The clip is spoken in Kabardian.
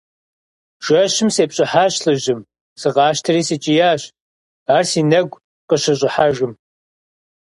Жэщым сепщӀыхьащ лӀыжьым, сыкъащтэри сыкӀиящ, ар си нэгу къыщыщӀыхьэжым.